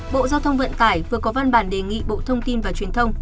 bộ giao thông vận tải vừa có văn bản đề nghị bộ thông tin và truyền thông